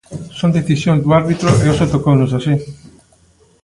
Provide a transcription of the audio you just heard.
Son decisións do árbitro e hoxe tocounos así.